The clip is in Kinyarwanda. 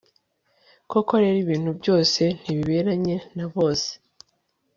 koko rero ibintu byose ntibiberanye na bose